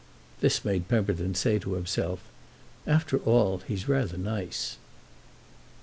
This made Pemberton say to himself "After all he's rather nice."